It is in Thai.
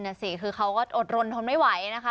น่ะสิคือเขาก็อดรนทนไม่ไหวนะคะ